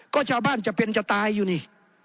ก็ชาวบ้านจะเป็นจะตายอยู่นี่